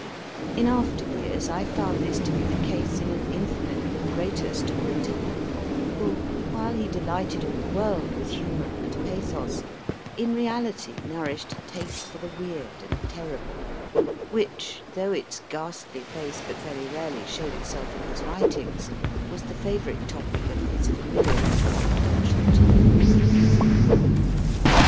In after years I found this to be the case in an infinitely greater story teller, who, while he delighted all the world with humour and pathos, in reality nourished a taste for the weird and terrible, which, though its ghastly face but very rarely showed itself in his writings, was the favourite topic of his familiar and confidential talk.